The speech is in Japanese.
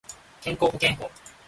健康保険法